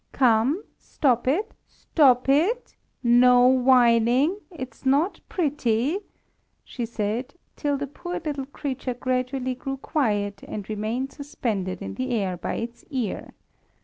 'Come! stop it, stop it! no whining! It's not pretty,' she said, till the poor little creature gradually grew quiet, and remained suspended in the air by its ear.